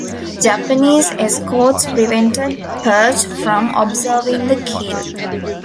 Japanese escorts prevented "Perch" from observing the kill.